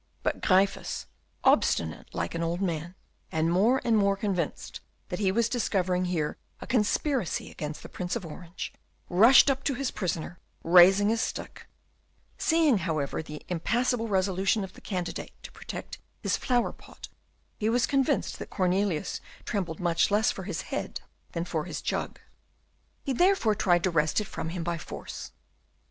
But Gryphus, obstinate, like an old man, and more and more convinced that he was discovering here a conspiracy against the Prince of Orange, rushed up to his prisoner, raising his stick; seeing, however, the impassible resolution of the captive to protect his flower pot he was convinced that Cornelius trembled much less for his head than for his jug. He therefore tried to wrest it from him by force.